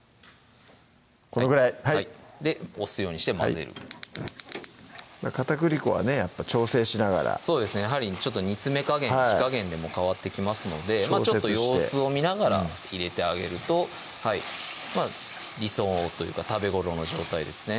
このぐらいはいで押すようにして混ぜる片栗粉はねやっぱ調整しながらそうですねやはり煮詰め加減や火加減でも変わってきますのでちょっと様子を見ながら入れてあげると理想というか食べ頃の状態ですね